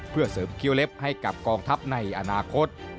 เพื่อเสริมเคี้ยวเล็บให้กับกองทัพในอนาคต